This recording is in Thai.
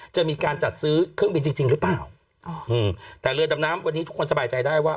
จะมีการจัดซื้อเครื่องบินจริงจริงหรือเปล่าแต่เรือดำน้ำวันนี้ทุกคนสบายใจได้ว่า